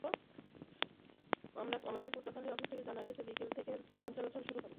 আমাদের পটুয়াখালী অফিস থেকে জানা গেছে, বিকেল থেকে লঞ্চ চলাচল শুরু হবে।